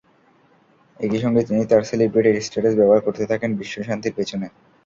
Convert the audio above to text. একই সঙ্গে তিনি তাঁর সেলিব্রিটি স্ট্যাটাস ব্যবহার করতে থাকেন বিশ্বশান্তির পেছনে।